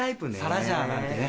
サラジャーなんだね。